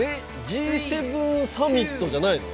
Ｇ７サミットじゃないの？